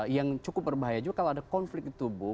yang cukup berbahaya juga kalau ada konflik di tubuh